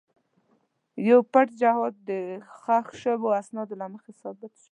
یو پټ جهاد د ښخ شوو اسنادو له مخې ثابت شو.